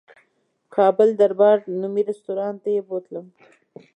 کابل دربار نومي رستورانت ته یې بوتلم.